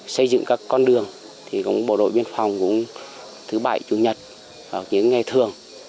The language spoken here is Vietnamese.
xây dựng các con đường thì cũng bộ đội biên phòng cũng thứ bảy chủ nhật vào những ngày thường